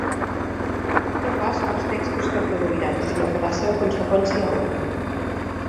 No pas pels textos que produirà, sinó per la seva conseqüència última.